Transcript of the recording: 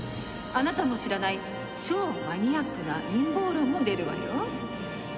あなたも知らない超マニアックな陰謀論も出るわよ。